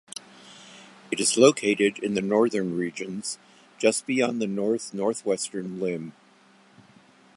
It is located in the northern regions, just beyond the north-northwestern limb.